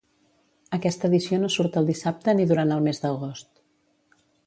Aquesta edició no surt el dissabte ni durant el mes d’agost.